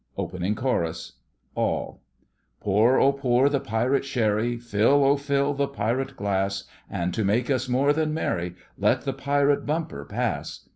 OPENING CHORUS ALL: Pour, O pour the pirate sherry; Fill, O fill the pirate glass; And, to make us more than merry Let the pirate bumper pass.